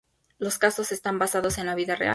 Los casos están basados en la vida real.